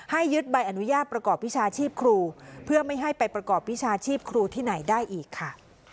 ยึดใบอนุญาตประกอบวิชาชีพครูเพื่อไม่ให้ไปประกอบวิชาชีพครูที่ไหนได้อีกค่ะ